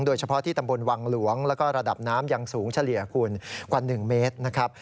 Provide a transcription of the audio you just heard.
โดยเฉพาะที่ตำบลวังหลวงแล้วก็ระดับน้ำยังสูงเฉลี่ยคุณกว่า๑เมตรนะครับ